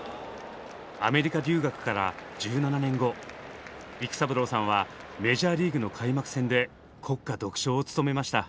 アメリカ留学から１７年後育三郎さんはメジャーリーグの開幕戦で国歌独唱を務めました。